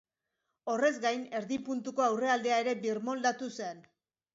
Horrez gain, erdi puntuko aurrealdea ere birmoldatu zen.